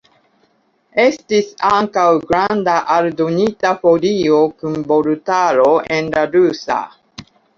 Estis ankaŭ granda aldonita folio kun vortaro en la rusa.